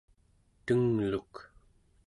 tengluk